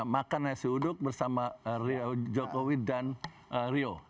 makan nasi uduk bersama jokowi dan rio